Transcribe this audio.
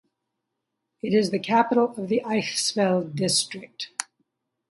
It is the capital of the Eichsfeld district.